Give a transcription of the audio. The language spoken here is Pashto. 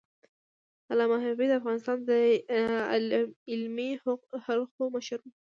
علامه حبيبي د افغانستان د علمي حلقو مشر و.